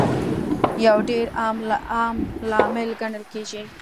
یو ډېر عام لامل ګڼل کیږي